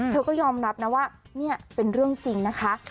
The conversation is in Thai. เธอก็ยอมรับนะว่านี่เป็นเรื่องจริงนะคะ